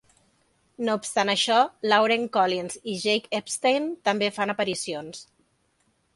No obstant això, Lauren Collins i Jake Epstein també fan aparicions.